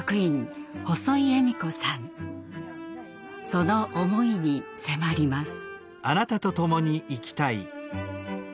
その思いに迫ります。